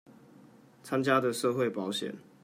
參加的社會保險